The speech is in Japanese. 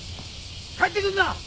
帰ってくんな！